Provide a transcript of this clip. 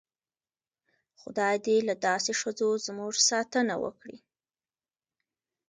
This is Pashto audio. خدای دې له داسې ښځو زموږ ساتنه وکړي.